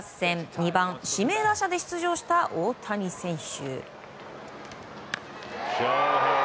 ２番、指名打者で出場した大谷選手。